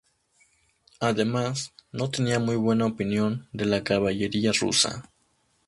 Además, no tenía muy buena opinión de la caballería rusa.